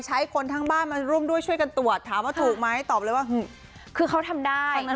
คนทั้งบ้านมาร่วมด้วยช่วยกันตรวจถามว่าถูกไหมตอบเลยว่าคือเขาทำได้